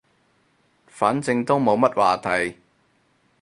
反正都冇乜話題